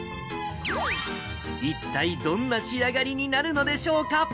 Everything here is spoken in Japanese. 一体どんな仕上がりになるのでしょうか。